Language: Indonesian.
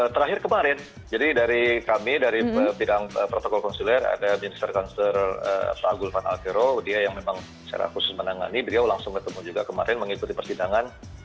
terakhir kemarin jadi dari kami dari bidang protokol konsuler ada minister kounselor agul panalkero dia yang memang secara khusus menangani dia langsung bertemu juga kemarin mengikuti persidangan